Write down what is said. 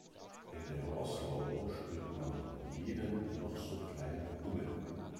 In der Rostlaube spürt man jeden noch so kleinen Hubbel.